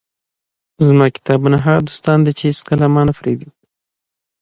زما کتابونه هغه دوستان دي، چي هيڅکله مانه پرېږي.